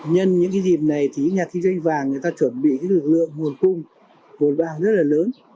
nhân những cái dịp này thì nhà kinh doanh vàng người ta chuẩn bị cái lực lượng nguồn cung vốn vàng rất là lớn